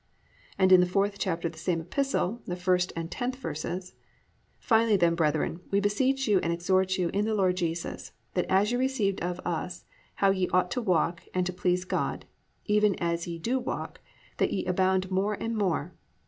"+ And the 4th chapter of this same epistle, the 1st and 10th verses, +"Finally then, brethren, we beseech you and exhort you in the Lord Jesus, that as you received of us how ye ought to walk and to please God, even as ye do walk, that ye abound more and more.